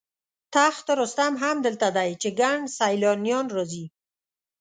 تخت رستم هم دلته دی چې ګڼ سیلانیان راځي.